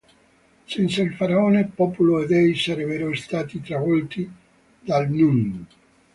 Senza il faraone, popolo e dei sarebbero stati travolti dal Nun.